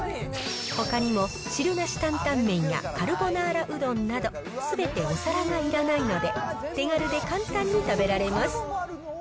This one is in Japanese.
ほかにも汁なし担々麺やカルボナーラうどんなど、すべてお皿がいらないので、手軽で簡単に食べられます。